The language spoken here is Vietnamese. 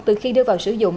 từ khi đưa vào sử dụng